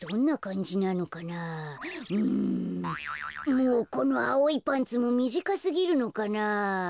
もうこのあおいパンツもみじかすぎるのかなあ。